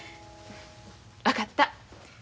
分かった。